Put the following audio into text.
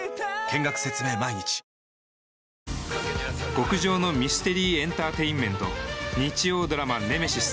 極上のミステリーエンターテインメント日曜ドラマ『ネメシス』